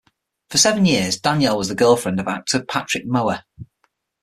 For seven years, Danielle was the girlfriend of the actor Patrick Mower.